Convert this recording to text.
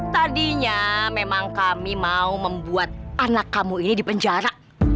tadinya memang kami mau membuat anak kamu ini dipenjara